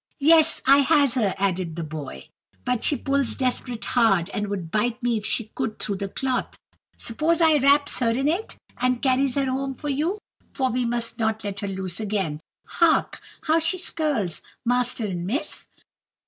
"Yes, I has her," added the boy; "but she pulls desperate hard, and would bite me, if she could, through the cloth. Suppose I wraps her in it, and carries her home for you, for we must not let her loose again. Hark! how she skirls, master and miss!"